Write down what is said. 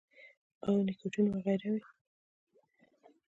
او نيکوټین وغېره وي -